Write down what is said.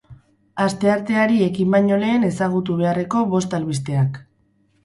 Astearteari ekin baino lehen ezagutu beharreko bost albisteak.